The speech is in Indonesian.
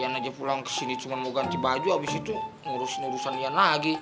iyan aja pulang ke sini cuma mau ganti baju abis itu ngurusin urusan iyan lagi